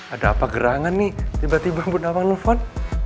ada apa gerangan nih tiba tiba bunda wang nelfon